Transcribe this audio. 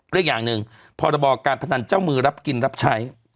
และอีกอย่างหนึ่งพรบการพนันเจ้ามือรับกินรับใช้